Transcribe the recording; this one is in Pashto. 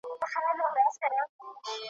نه اختر ته مي زړه کیږي نه مي جشن پکښي خپل سو `